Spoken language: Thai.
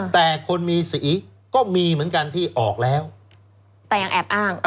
แต่คนมีสีก็มีเหมือนกันที่ออกแล้วแต่ยังแอบอ้าง